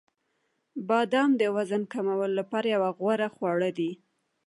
• بادام د وزن کمولو لپاره یو غوره خواړه دي.